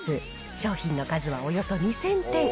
商品の数はおよそ２０００点。